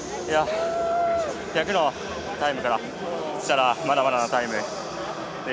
１００のタイムからしたらまだまだのタイムで。